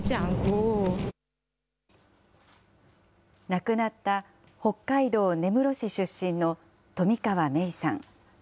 亡くなった、北海道根室市出身の冨川芽生さん。